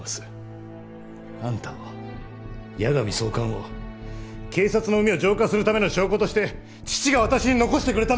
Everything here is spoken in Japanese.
あんたを矢上総監を警察の膿を浄化するための証拠として父が私に残してくれたんですよ！